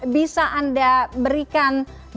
bisa anda berikan gambar